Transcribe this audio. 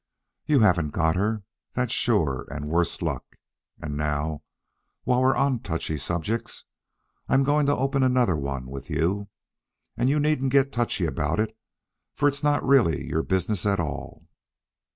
You haven't got her, that's sure and worse luck. And now, while we're on touchy subjects, I'm going to open another one with you. And you needn't get touchy about it, for it's not really your business at all."